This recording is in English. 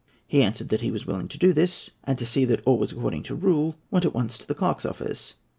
He answered that he was willing to do this, and, to see that all was according to rule, went at once to the clerks' office.